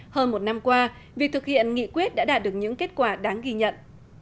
hơn một năm qua việc thực hiện nghị quyết đã đạt được những kết quả đáng ghi nhận